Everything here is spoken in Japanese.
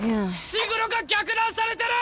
伏黒が逆ナンされてる！